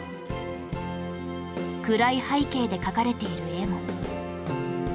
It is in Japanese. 暗い背景で描かれている絵も